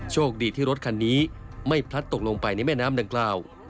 โชคดีที่รถคันนี้ไม่พลัดตกลงไปในแม่น้ำดังกล่าว